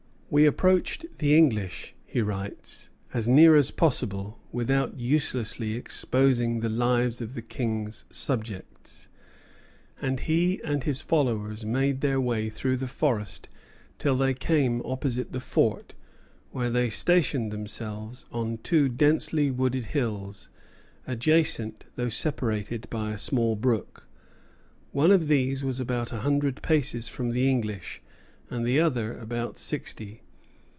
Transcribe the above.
"We approached the English," he writes, "as near as possible, without uselessly exposing the lives of the King's subjects;" and he and his followers made their way through the forest till they came opposite the fort, where they stationed themselves on two densely wooded hills, adjacent, though separated by a small brook. One of these was about a hundred paces from the English, and the other about sixty.